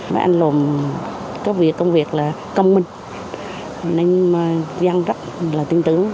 mấy anh lồn có việc công việc là công minh nên dân rất là tin tưởng